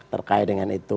terkait dengan itu